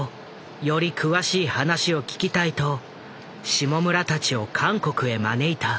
より詳しい話を聞きたいと下村たちを韓国へ招いた。